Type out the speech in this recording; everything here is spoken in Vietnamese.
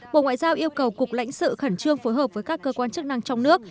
bộ ngoại giao yêu cầu cục lãnh sự khẩn trương phối hợp với các cơ quan chức năng trong nước